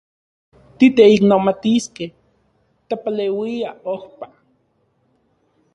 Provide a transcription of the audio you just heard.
Titeiknomatiskej tepaleuia ojpa.